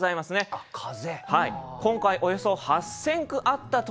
あっ風。